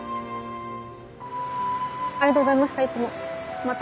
ありがとうございましたいつもまた。